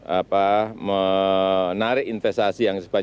kita menarik investasi yang sepanjangnya